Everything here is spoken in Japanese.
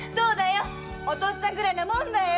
お父っつぁんぐらいなもんだよ！